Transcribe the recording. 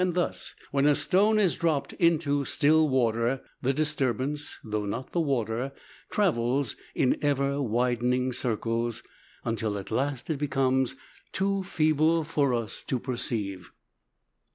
Thus, when a stone is dropped into still water, the disturbance (though not the water) travels in ever widening circles, until at last it becomes too feeble for us to perceive.